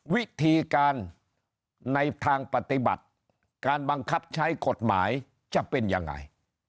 วิธีการในทางปฏิบัติการบังคับใช้กฎหมายจะเป็นยังไง